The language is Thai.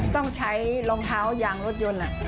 ต้องใช้รองเท้ายางรถยนต์